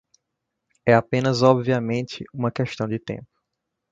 É apenas obviamente uma questão de tempo.